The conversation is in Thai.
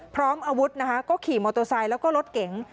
พร้อมอาวุธนะคะก็ขี่มอเตอร์ไซค์แล้วก็รถเก๋ง